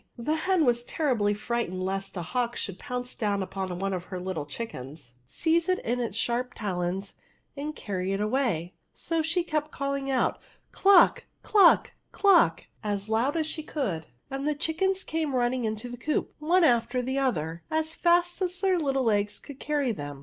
The hen was terribly fright ened lest the hawk should pounce down upon one of her little chickens, seize it in his sharp talons, and cany it away ; so she kept calling out, cluck ! cluck ! cluck t as loud as she could, and the chickens came running into the coop, one after the other, as £ist as their little legs could carry them.